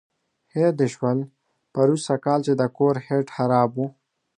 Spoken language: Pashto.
هېر دې شول پروسږ کال چې د کور هیټ خراب و.